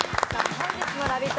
本日はのラヴィット！